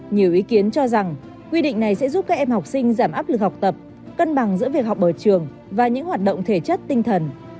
nhiều ý kiến cho rằng quy định này sẽ giúp các em học sinh giảm áp lực học tập cân bằng giữa việc học ở trường và những hoạt động thể chất tinh thần